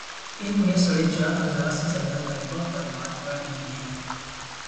ان میں ساڑھے چار ہزار سے زیادہ طلبا و طالبات پڑھ رہے ہیں۔